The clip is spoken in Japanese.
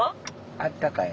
あったかい？